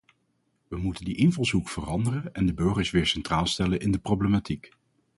We moeten die invalshoek veranderen en de burgers weer centraal stellen in de problematiek.